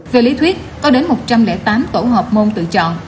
về lý thuyết có đến một trăm linh tám tổ hợp môn tự chọn